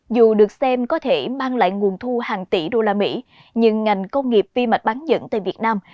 dù được xem có thể mang lại nguồn thu hàng tỷ đô la mỹ nhưng ngành công nghiệp vi mạch bán dẫn tại việt nam